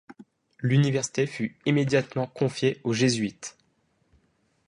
L'université fut immédiatement confiée aux Jésuites.